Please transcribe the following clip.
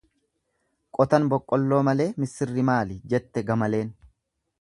Qotan boqqolloo malee missirri maali? jette gamaleen.